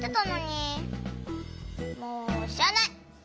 もうしらない！